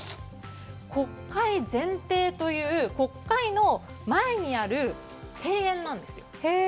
国会前庭という国会の前にある庭園なんですよ。